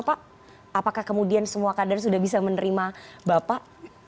pak apakah kemudian semua kader sudah bisa menerima bapak